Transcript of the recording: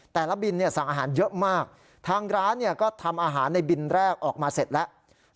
บินสั่งอาหารเยอะมากทางร้านก็ทำอาหารในบินแรกออกมาเสร็จแล้ว